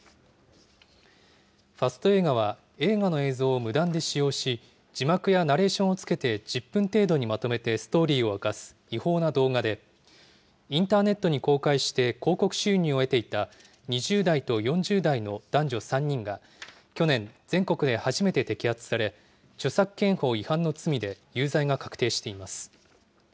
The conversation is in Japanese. ファスト映画は、映画の映像を無断で使用し、字幕やナレーションをつけて、１０分程度にまとめてストーリーを明かす違法な動画で、インターネットに公開して広告収入を得ていた２０代と４０代の男女３人が、去年、全国で初めて摘発され、著作権法違反の罪で有罪が確定しています。